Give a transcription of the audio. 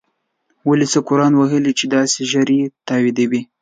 ولی څه قرآن وهلی یی چی داسی ژر یی تاییدوی